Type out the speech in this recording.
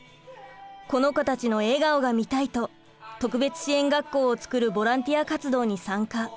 この子たちの笑顔が見たいと特別支援学校をつくるボランティア活動に参加。